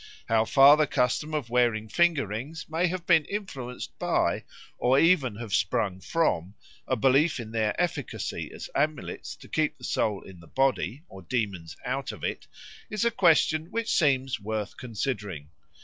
How far the custom of wearing finger rings may have been influenced by, or even have sprung from, a belief in their efficacy as amulets to keep the soul in the body, or demons out of it, is a question which seems worth considering.